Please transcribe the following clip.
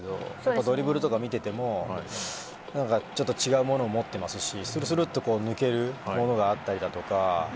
ドリブルとか見ててもちょっと違うものを持ってますしするするっと抜けるものがあったりだとか